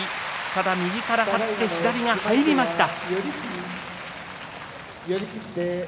ただ、右から張って左が入りました。